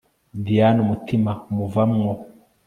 Diane umutima umuvamwo